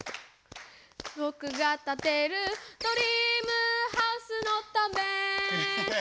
「ぼくがたてるドリームハウスのため」